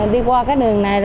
đi qua đường này